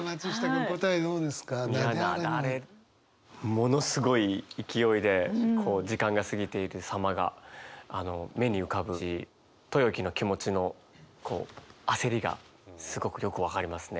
ものすごい勢いでこう時間が過ぎている様があの目に浮かぶし豊樹の気持ちの焦りがすごくよく分かりますね。